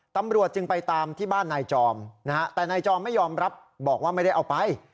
ตำรวจจึงไปตามที่บ้านนายจอมนะฮะแต่นายจอมไม่ยอมรับบอกว่าไม่ได้เอาไป